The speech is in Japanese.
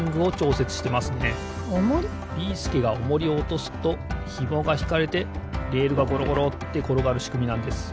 ビーすけがオモリをおとすとひもがひかれてレールがゴロゴロってころがるしくみなんです。